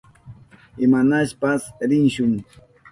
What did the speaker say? Imashnapas rishun.